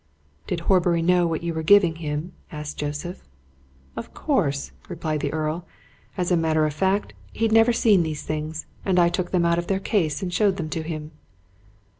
"Did Horbury know what you were giving him?" asked Joseph. "Of course!" replied the Earl. "As a matter of fact, he'd never seen these things, and I took them out of their case and showed them to him."